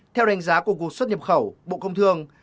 theo đánh giá của cục xuất nhập khẩu bộ công thương